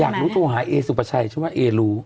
อยากรู้โทรหาเอสุปชัยใช่ไหมเอรู้